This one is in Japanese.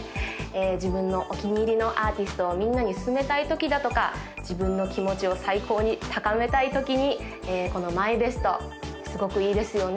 自分のお気に入りのアーティストをみんなに薦めたいときだとか自分の気持ちを最高に高めたいときにこのＭＹＢＥＳＴすごくいいですよね